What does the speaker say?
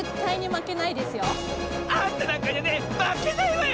あんたなんかにはねまけないわよ！